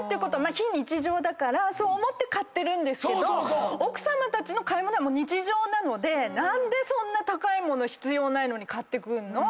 非日常だからそう思って買ってるんですけど奥さまたちの買い物は日常なので何でそんな高い物必要ないのに買ってくんの？